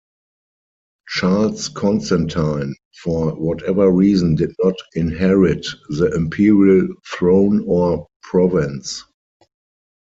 Charles-Constantine for whatever reason, did not inherit the imperial throne or Provence.